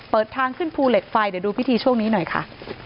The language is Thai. เปิดทางขึ้นภูเหล็กไฟเดี๋ยวดูพิธีช่วงนี้หน่อยค่ะ